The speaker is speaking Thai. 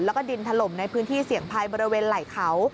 แล้วก็ดินถล่มในพื้นที่เสี่ยงภัยบริเวณไหล่เขา